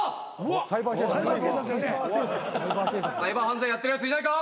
サイバー犯罪やってるやついないか？